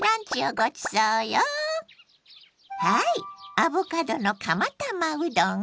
アボカドの釜玉うどん。